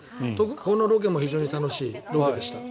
このロケも非常に楽しい現場でした。